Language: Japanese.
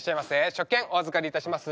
食券お預かりいたします。